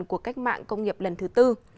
của cách mạng công nghiệp lần thứ tư